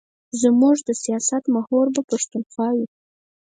زموږ د سیاست محور به پښتونخوا وي.